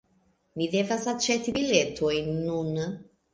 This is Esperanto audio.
Ni devas aĉeti biletojn nun